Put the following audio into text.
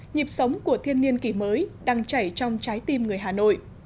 nhịp sống của thiên niên kỷ mới đang chảy trong trái tim người hà nội